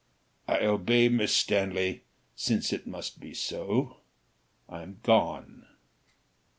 "I obey, Miss Stanley, since it must be so. I am gone."